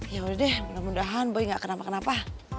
yaudah deh mudah mudahan boy gak kenapa kenapa